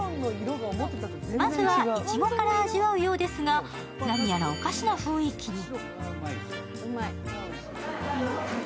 まずは、いちごから味わうようですが、何やらおかしな雰囲気に。